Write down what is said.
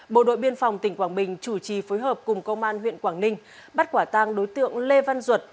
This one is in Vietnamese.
bộ đội biên phòng tỉnh quảng bình chủ trì phối hợp cùng công an huyện quảng ninh bắt quả tang đối tượng lê văn duật